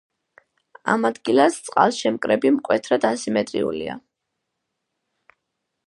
ამ ადგილას წყალშემკრები მკვეთრად ასიმეტრიულია.